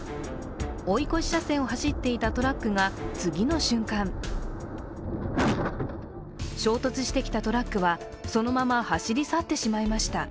追い越し車線を走っていたトラックが次の瞬間衝突してきたトラックはそのまま走り去ってしまいました。